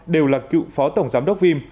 đều là cựu phó tổng giám đốc vim